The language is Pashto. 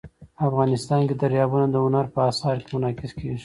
افغانستان کې دریابونه د هنر په اثار کې منعکس کېږي.